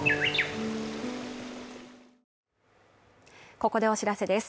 ここでお知らせです。